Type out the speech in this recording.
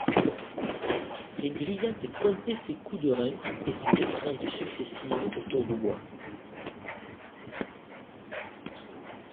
Les grisettes comptaient ses coups de reins, et ses étreintes successives autour du bois.